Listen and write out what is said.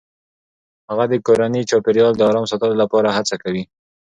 هغه د کورني چاپیریال د آرام ساتلو لپاره هڅه کوي.